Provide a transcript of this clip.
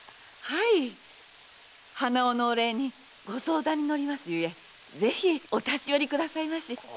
はい鼻緒のお礼にご相談に乗りますゆえぜひお立ち寄りくださいまし。